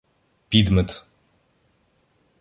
Підмет